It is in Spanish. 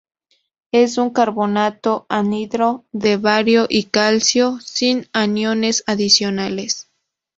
Es un carbonato anhidro de bario y calcio, sin aniones adicionales.